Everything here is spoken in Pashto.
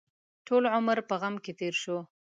ټول عمر په غم کې تېر شو.